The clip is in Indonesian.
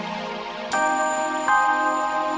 jangan bikin perkara yang usah membatal